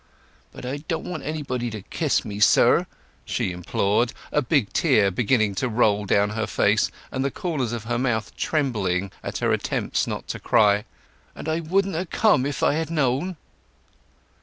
"But I don't want anybody to kiss me, sir!" she implored, a big tear beginning to roll down her face, and the corners of her mouth trembling in her attempts not to cry. "And I wouldn't ha' come if I had known!"